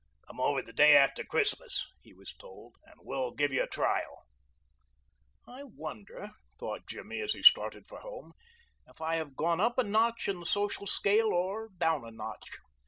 "Come over the day after Christmas," he was told, "and we'll give you a trial." "I wonder," thought Jimmy as he started for home, "if I have gone up a notch in the social scale or down a notch?